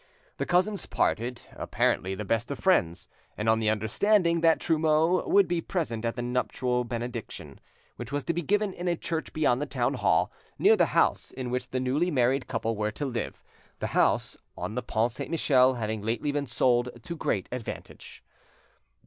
The cousins parted, apparently the best of friends, and on the understanding that Trumeau would be present at the nuptial benediction, which was to be given in a church beyond the town hall, near the house in which the newly married couple were to live; the house on the Pont Saint Michel having lately been sold to great advantage.